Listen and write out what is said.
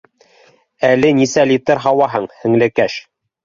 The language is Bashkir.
— Әле нисә литр һауаһың, һеңлекәш?